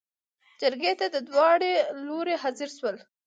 جرګې ته داوړه لورې حاضر شول.